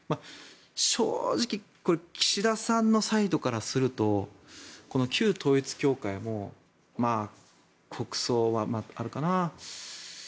正直岸田さんのサイドからするとこの旧統一教会も国葬はあれかな。